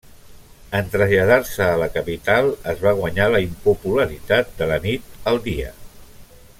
En traslladar-se a la capital, es va guanyar la impopularitat de la nit al dia.